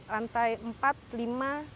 lantai empat lima